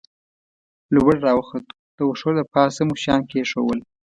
لوړ را وختو، د وښو له پاسه مو شیان کېښوول.